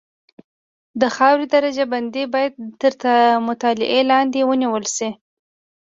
د خاورې درجه بندي باید تر مطالعې لاندې ونیول شي